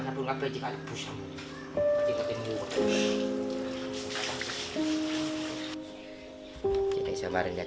dan adik saya belajarnya yangific itu lasts leh re nerd